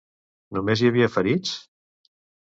Només hi havia ferits?